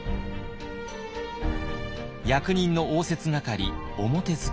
役人の応接係「表使」。